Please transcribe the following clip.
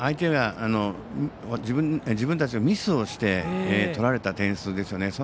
自分たちがミスをして取られた点数ですよね。